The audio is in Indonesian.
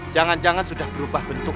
jangan jangan sudah berubah bentuk